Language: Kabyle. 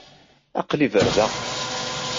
Aql-i berdaɣ.